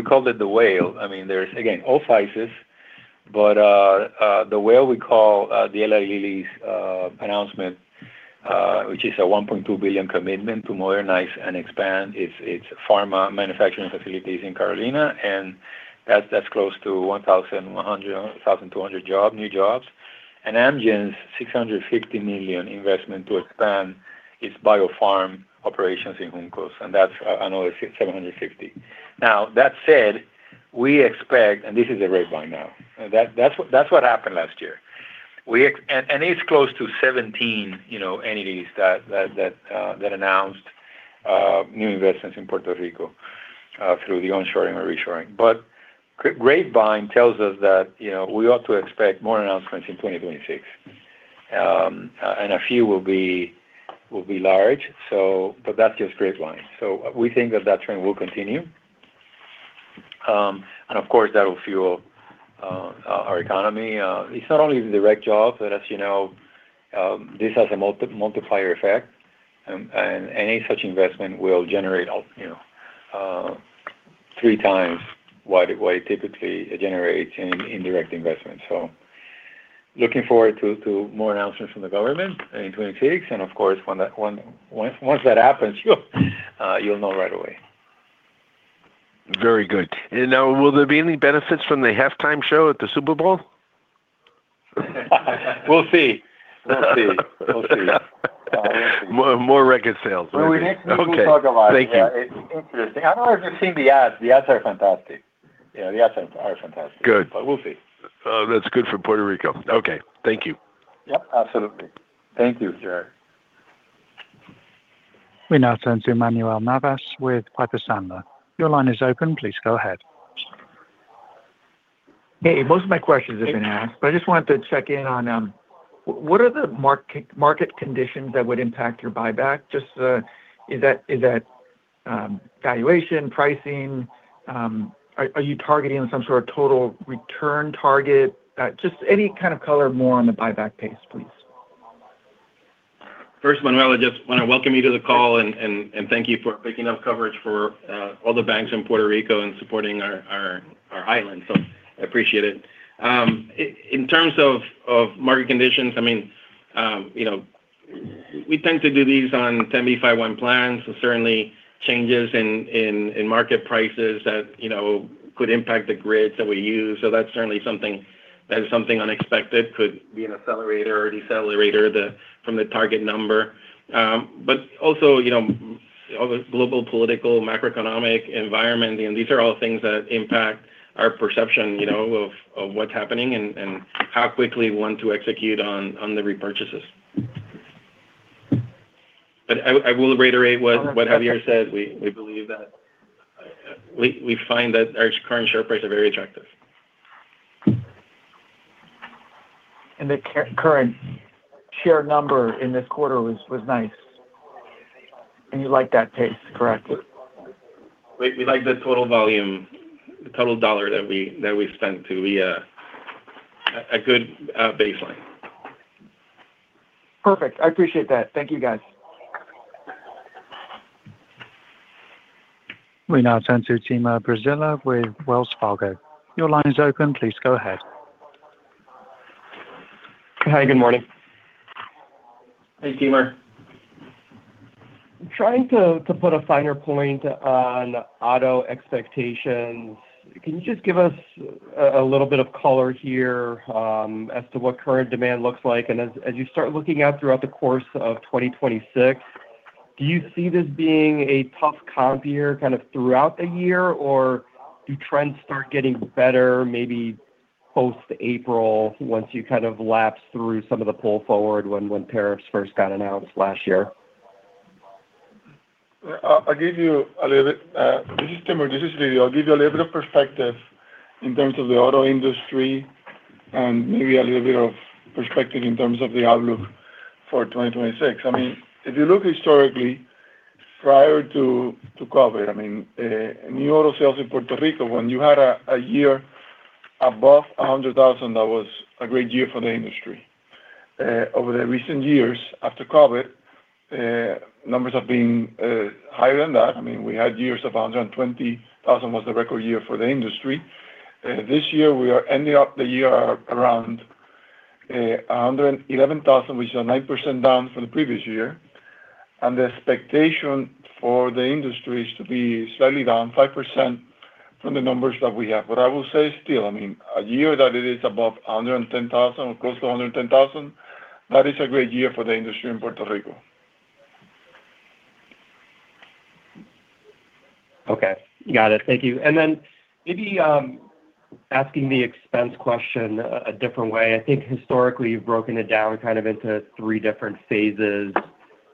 called it the whale. I mean, there's again, all sizes, but the whale we call the Eli Lilly's announcement, which is a $1.2 billion commitment to modernize and expand its pharma manufacturing facilities in Carolina, and that's close to 1,100-1,200 new jobs. And Amgen's $650 million investment to expand its biopharm operations in Juncos, and that's another 760. Now, that said, we expect, and this is grapevine now, that that's what happened last year. And it's close to 17, you know, entities that announced new investments in Puerto Rico through the onshoring or reshoring. But grapevine tells us that, you know, we ought to expect more announcements in 2026, and a few will be large, so but that's just grapevine. So we think that trend will continue. And of course, that will fuel our economy. It's not only the direct jobs, but as you know, this has a multiplier effect, and any such investment will generate, you know, three times what it typically generates in direct investment. So looking forward to more announcements from the government in 2026. And of course, once that happens, you'll know right away. Very good. Now, will there be any benefits from the halftime show at the Super Bowl? We'll see. We'll see. We'll see. More, more record sales. Well, next week, we'll talk about it. Thank you. Yeah, it's interesting. I don't know if you've seen the ads. The ads are fantastic. Yeah, the ads are, are fantastic. Good. But we'll see. That's good for Puerto Rico. Okay, thank you. Yep, absolutely. Thank you, Jerry. We now turn to Manuel Navas with Piper Sandler. Your line is open. Please go ahead. Hey, most of my questions have been asked, but I just wanted to check in on what are the market conditions that would impact your buyback? Just, is that valuation, pricing? Are you targeting some sort of total return target? Just any kind of color more on the buyback pace, please. First, Manuel, I just want to welcome you to the call and thank you for picking up coverage for all the banks in Puerto Rico and supporting our island. So I appreciate it. In terms of market conditions, I mean, you know, we tend to do these on 10b5-1 plans. So certainly changes in market prices that, you know, could impact the grids that we use. So that's certainly something unexpected that could be an accelerator or decelerator from the target number. But also, you know, all the global political, macroeconomic environment, and these are all things that impact our perception, you know, of what's happening and how quickly we want to execute on the repurchases. But I will reiterate what Javier said, we believe that we find that our current share price are very attractive. And the current share number in this quarter was nice. And you like that pace, correct? We like the total volume, the total dollar that we spent to be a good baseline. Perfect. I appreciate that. Thank you, guys. We now turn to Timur Braziler with Wells Fargo. Your line is open. Please go ahead. Hi, good morning. Hey, Timur. Trying to put a finer point on auto expectations, can you just give us a little bit of color here, as to what current demand looks like? And as you start looking out throughout the course of 2026, do you see this being a tough comp year kind of throughout the year? Or do trends start getting better, maybe post-April, once you kind of lapse through some of the pull forward when tariffs first got announced last year? I'll give you a little bit— Timur, this is Lidio. I'll give you a little bit of perspective in terms of the auto industry and maybe a little bit of perspective in terms of the outlook for 2026. I mean, if you look historically, prior to COVID, I mean, new auto sales in Puerto Rico, when you had a year above 100,000, that was a great year for the industry. Over the recent years after COVID, numbers have been higher than that. I mean, we had years of 120,000 was the record year for the industry. This year, we are ending up the year around 111,000, which is a 9% down from the previous year, and the expectation for the industry is to be slightly down 5% from the numbers that we have. But I will say still, I mean, a year that it is above 110,000, or close to 110,000, that is a great year for the industry in Puerto Rico. Okay. Got it. Thank you. And then maybe asking the expense question a different way. I think historically, you've broken it down kind of into three different phases,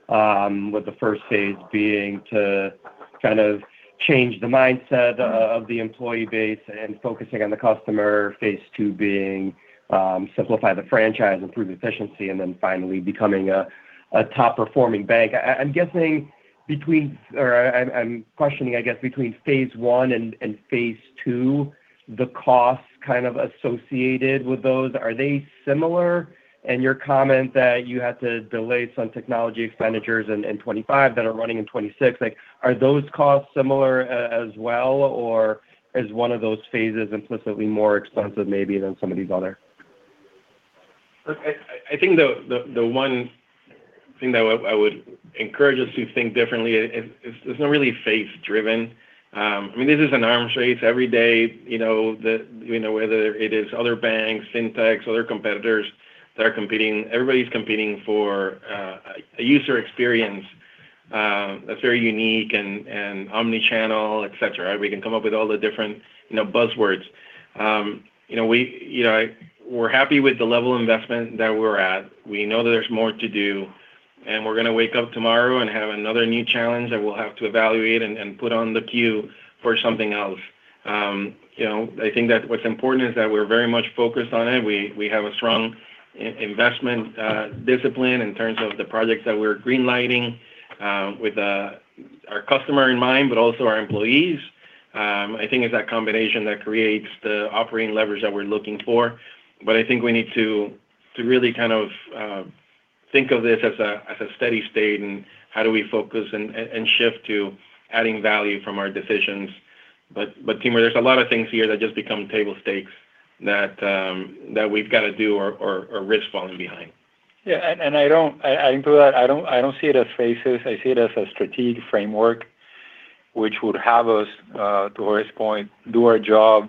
with the phase I being to kind of change the mindset of the employee base and focusing on the customer. Phase II being simplify the franchise, improve efficiency, and then finally becoming a top-performing bank. I'm guessing between—or I'm questioning, I guess, between phase I and phase II, the costs kind of associated with those, are they similar? And your comment that you had to delay some technology expenditures in 2025 that are running in 2026, like, are those costs similar as well, or is one of those phases implicitly more expensive maybe than some of these other? Look, I think the one thing that I would encourage us to think differently is, it's not really phase driven. I mean, this is an arms race every day, you know, whether it is other banks, fintechs, other competitors that are competing. Everybody's competing for a user experience that's very unique and omni-channel, et cetera. We can come up with all the different buzzwords. You know, we're happy with the level of investment that we're at. We know that there's more to do, and we're going to wake up tomorrow and have another new challenge that we'll have to evaluate and put on the queue for something else. You know, I think that what's important is that we're very much focused on it. We have a strong investment discipline in terms of the projects that we're greenlighting, with our customer in mind, but also our employees. I think it's that combination that creates the operating leverage that we're looking for, but I think we need to really kind of think of this as a steady state and how do we focus and shift to adding value from our decisions. But Timur, there's a lot of things here that just become table stakes that we've got to do or risk falling behind. Yeah, I agree with that. I don't see it as phases. I see it as a strategic framework which would have us, to Jorge's point, do our jobs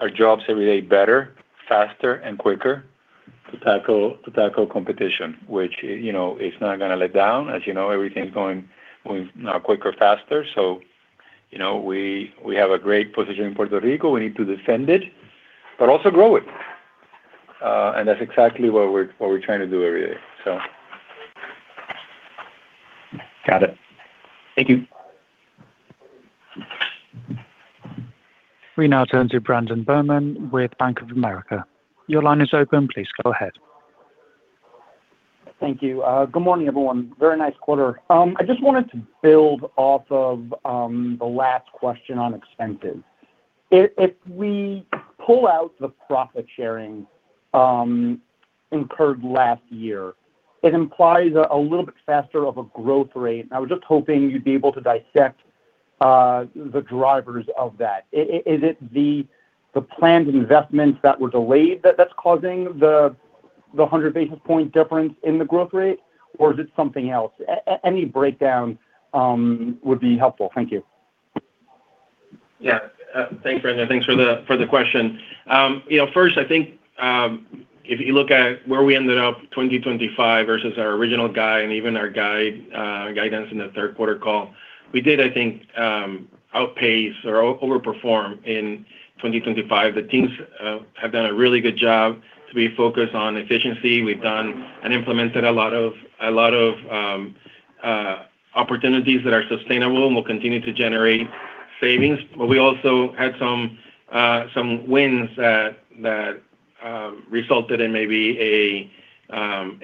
every day better, faster, and quicker to tackle competition, which, you know, is not gonna let down. As you know, everything's going quicker, faster. So, you know, we have a great position in Puerto Rico. We need to defend it, but also grow it. That's exactly what we're trying to do every day, so. Got it. Thank you. We now turn to Brandon Berman with Bank of America. Your line is open. Please go ahead. Thank you. Good morning, everyone. Very nice quarter. I just wanted to build off of, the last question on expenses. If, if we pull out the profit sharing, incurred last year, it implies a little bit faster of a growth rate. I was just hoping you'd be able to dissect, the drivers of that. Is, is it the, the planned investments that were delayed that's causing the, the 100 basis point difference in the growth rate, or is it something else? Any breakdown would be helpful. Thank you. Yeah. Thanks, Brandon. Thanks for the question. You know, first, I think, if you look at where we ended up, 2025 versus our original guide and even our guidance in the Q3 call, we did, I think, outpace or overperform in 2025. The teams have done a really good job to be focused on efficiency. We've done and implemented a lot of opportunities that are sustainable and will continue to generate savings. But we also had some wins that resulted in maybe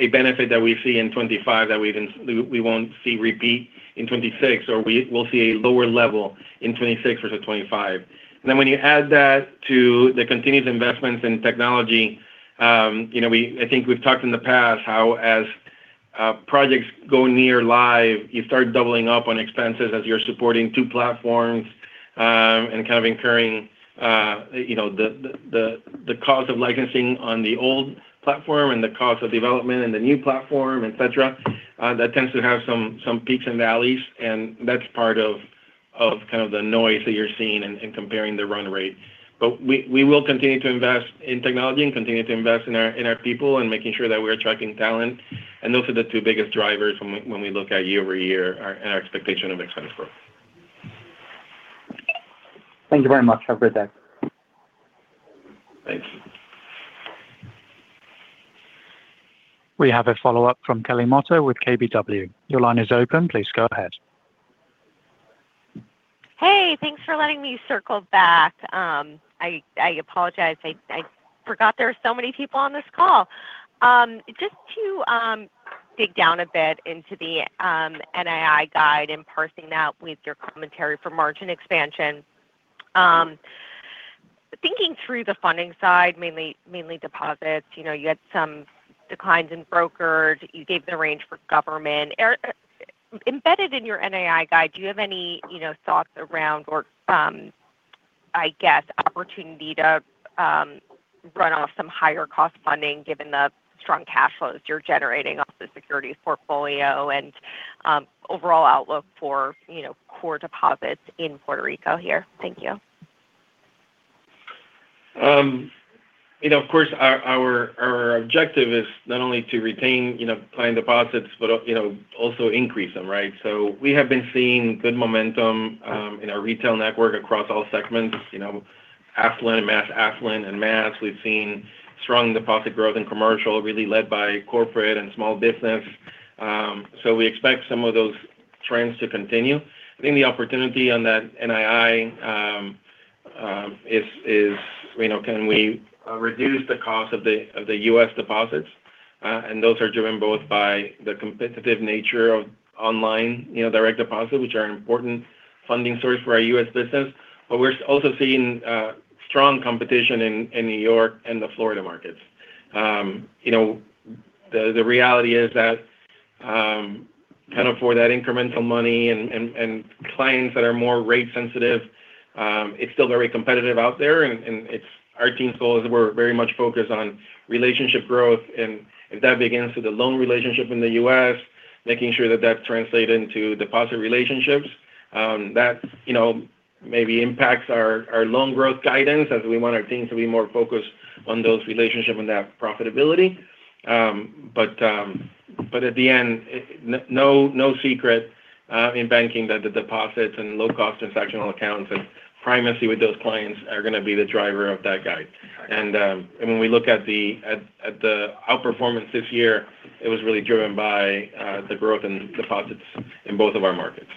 a benefit that we see in 2025 that we didn't. We won't see repeat in 2026, or we will see a lower level in 2026 versus 2025. And then when you add that to the continued investments in technology, you know, I think we've talked in the past how as projects go near live, you start doubling up on expenses as you're supporting two platforms, and kind of incurring, you know, the cost of licensing on the old platform and the cost of development in the new platform, et cetera. That tends to have some peaks and valleys, and that's part of kind of the noise that you're seeing in comparing the run rate. But we will continue to invest in technology and continue to invest in our people and making sure that we're attracting talent. And those are the two biggest drivers when we look at year-over-year, and our expectation of expense growth. Thank you very much. Have a great day. Thank you. We have a follow-up from Kelly Motta with KBW. Your line is open. Please go ahead. Hey, thanks for letting me circle back. I apologize. I forgot there were so many people on this call! Just to dig down a bit into the NII guide and parsing that with your commentary for margin expansion, thinking through the funding side, mainly, mainly deposits, you know, you had some declines in brokers. You gave the range for government. Embedded in your NII guide, do you have any, you know, thoughts around or, I guess, opportunity to run off some higher cost funding given the strong cash flows you're generating off the securities portfolio and overall outlook for, you know, core deposits in Puerto Rico here? Thank you. You know, of course, our objective is not only to retain, you know, client deposits, but, you know, also increase them, right? So we have been seeing good momentum in our retail network across all segments. You know, affluent, mass affluent and mass. We've seen strong deposit growth in commercial, really led by corporate and small business. So we expect some of those trends to continue. I think the opportunity on that NII is, you know, can we reduce the cost of the U.S. deposits? And those are driven both by the competitive nature of online, you know, direct deposit, which are an important funding source for our U.S. business. But we're also seeing strong competition in New York and the Florida markets. You know, the reality is that, kind of for that incremental money and clients that are more rate sensitive, it's still very competitive out there, and it's our team's goal is we're very much focused on relationship growth, and if that begins with a loan relationship in the U.S., making sure that that translate into deposit relationships, that, you know, maybe impacts our loan growth guidance as we want our teams to be more focused on those relationships and that profitability. But at the end, no secret in banking that the deposits and low-cost transactional accounts and primacy with those clients are gonna be the driver of that guide. When we look at the outperformance this year, it was really driven by the growth in deposits in both of our markets.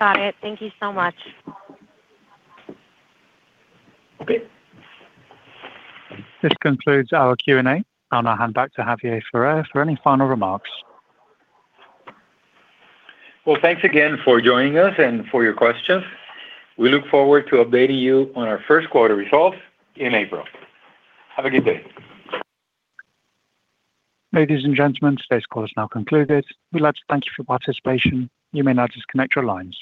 Got it. Thank you so much. Okay. This concludes our Q&A. I'll now hand back to Javier Ferrer for any final remarks. Well, thanks again for joining us and for your questions. We look forward to updating you on our Q1 results in April. Have a good day. Ladies and gentlemen, today's call is now concluded. We'd like to thank you for your participation. You may now disconnect your line.